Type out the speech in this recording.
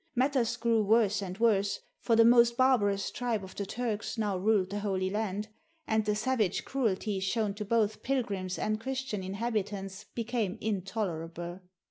Matters grew worse and worse, for the most barbarous tribe of the Turks now ruled the Holy Land, and the savage cruelty shown to both pilgrims and Chris tian inhabitants became intolerable.